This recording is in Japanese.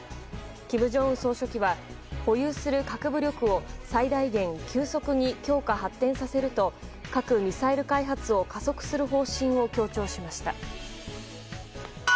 金正恩総書記は保有する各武力を最大限、急速に強化・発展させると核・ミサイル開発を加速する方針を強調しました。